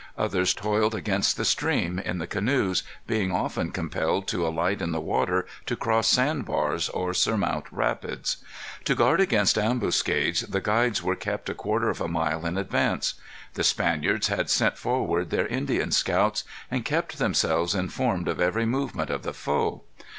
Others toiled against the stream, in the canoes, being often compelled to alight in the water, to cross sandbars or surmount rapids. To guard against ambuscades the guides were kept a quarter of a mile in advance. The Spaniards had sent forward their Indian scouts, and kept themselves informed of every movement of the foe.